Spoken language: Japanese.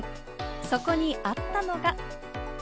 そこにあったのが。